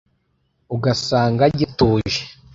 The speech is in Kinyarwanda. ugasanga gituje